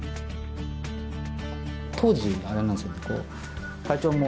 当時あれなんですよね。